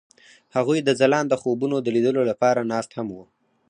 هغوی د ځلانده خوبونو د لیدلو لپاره ناست هم وو.